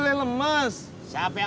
nah terima kasih